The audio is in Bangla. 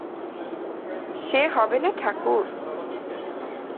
সে হবে না ঠাকুর।